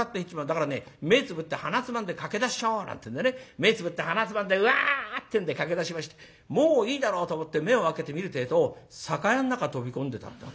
だからね目つぶって鼻つまんで駆け出しちゃおう」なんてえんでね目つぶって鼻つまんでウワーッてんで駆け出しましてもういいだろうと思って目を開けて見るってえと酒屋の中飛び込んでた。